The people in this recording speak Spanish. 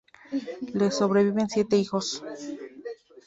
Le sobreviven siete hijos.